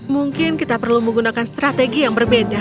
mungkin kita perlu menggunakan strategi yang berbeda